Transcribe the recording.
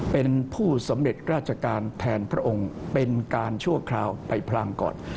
เป็นผู้สำเร็จราชการแทนพระองค์เป็นการชั่วคราวไปพรางก่อน